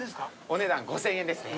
お値段５０００円ですね。